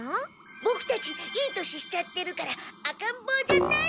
ボクたちいい年しちゃってるから赤んぼうじゃないってこと。